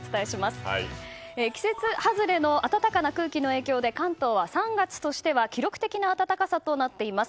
季節外れの暖かな空気の影響で関東は３月としては記録的な暖かさとなっています。